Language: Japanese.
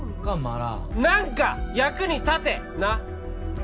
何か役に立てなっ？